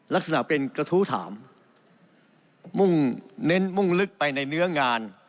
ลักษณะเป็นกระทู้ถามมุ่งเน้นมุ่งลึกไปในเนื้องาน